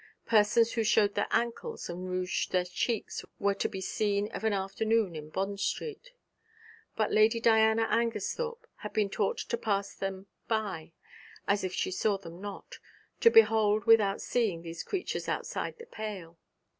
Persons who showed their ankles and rouged their cheeks were to be seen of an afternoon in Bond Street; but Lady Diana Angersthorpe had been taught to pass them by as if she saw them not, to behold without seeing these creatures outside the pale.